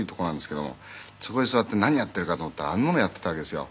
「そこに座って何をやっているかと思ったら編み物やっていたわけですよ」